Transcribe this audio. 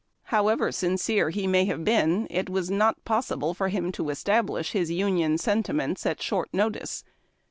However sincere he may have been, it was not possible for him to establish his Union sentiments at short notice.